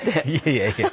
いやいや。